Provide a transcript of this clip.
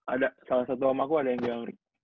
ada salah satu rumahku ada yang di amrik